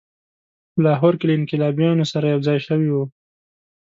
په لاهور کې له انقلابیونو سره یوځای شوی وو.